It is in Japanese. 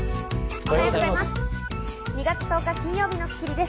おはようございます。